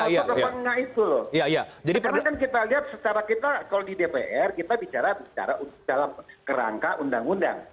karena kan kita lihat secara kita kalau di dpr kita bicara dalam kerangka undang undang